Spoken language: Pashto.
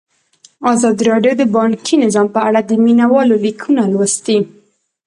ازادي راډیو د بانکي نظام په اړه د مینه والو لیکونه لوستي.